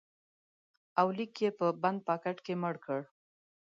اولیک یې په بند پاکټ کې مړ کړ